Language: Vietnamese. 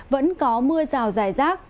vẫn có mưa rào dài rác